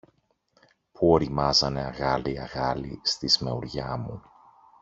που ωριμάζανε αγάλι-αγάλι στη σμεουριά μου.